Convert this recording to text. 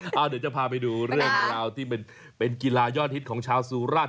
เอาเดี๋ยวจะพาไปดูเรื่องราวที่เป็นกีฬายอดฮิตของชาวสุราช